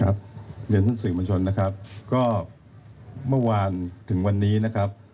ครับเดี๋ยวท่านศึกบัญชนนะครับก็เมื่อวานถึงวันนี้นะครับ